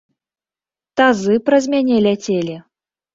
Тазы праз мяне ляцелі!